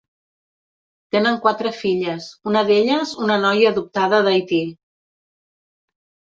Tenen quatre filles, una d'elles una noia adoptada d'Haití.